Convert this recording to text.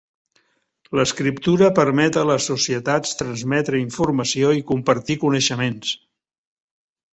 L'escriptura permet a les societats transmetre informació i compartir coneixements.